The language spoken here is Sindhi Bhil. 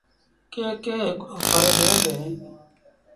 ڪي ڪي هڪڙو ڦر ڏيݩ ديٚݩ۔